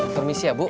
permisi ya bu